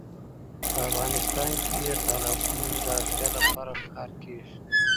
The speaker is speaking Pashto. په افغانستان کې د تالابونو د اړتیاوو لپاره کار کېږي.